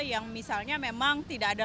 yang misalnya memang tidak ada